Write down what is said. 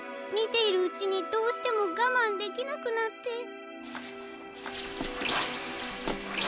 みているうちにどうしてもがまんできなくなって。